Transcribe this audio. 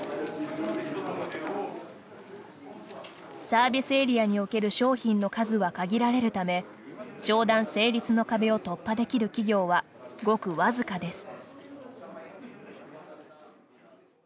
サービスエリアに置ける商品の数は限られるため商談成立の壁を突破できる企業はごく僅かです。